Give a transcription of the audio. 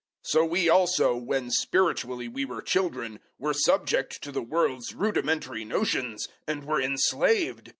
004:003 So we also, when spiritually we were children, were subject to the world's rudimentary notions, and were enslaved.